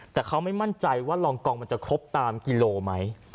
แต่เขาไม่มั่นใจว่ารองกองมันจะครบตามกิโลไหม